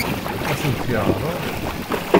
Ad sen-t-yeɛṛeḍ?